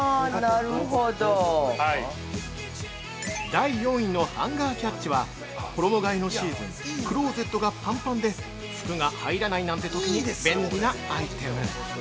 ◆第４位のハンガーキャッチは衣がえのシーズンクローゼットがぱんぱんで服が入らないなんてときに便利なアイテム。